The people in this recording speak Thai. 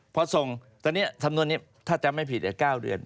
พอส่งตอนนี้สำนวนนี้ถ้าจำไม่ผิด๙เดือน